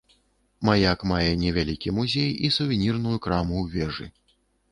Маяк мае невялікі музей і сувенірную краму ў вежы.